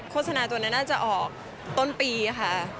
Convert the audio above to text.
โฆษณาตัวนั้นน่าจะออกต้นปีค่ะ